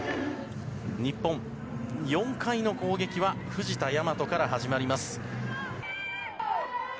日本、４回の攻撃は藤田倭から始まります。